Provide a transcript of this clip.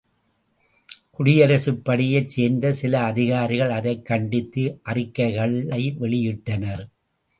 குடியரசுப் படையைச் சேர்ந்த சில அதிகாரிகள் அதைக் கண்டித்து அறிக்கைகளை வெளியிட்டனர்.